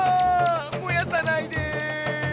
もやさないで！